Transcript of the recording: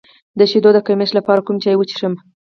د شیدو د کمښت لپاره کوم چای وڅښم؟